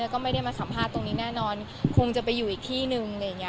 แล้วก็ไม่ได้มาสัมภาษณ์ตรงนี้แน่นอนคงจะไปอยู่อีกที่นึงอะไรอย่างนี้